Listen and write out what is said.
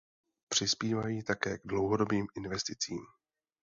Přispívají také k dlouhodobým investicím.